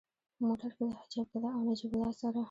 په موټر کې له حاجي عبدالله او نجیب الله سره.